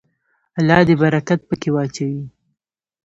الله دې برکت پکې واچوي.